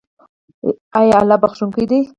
آیا الله بخښونکی دی؟